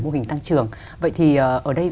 mô hình tăng trưởng vậy thì ở đây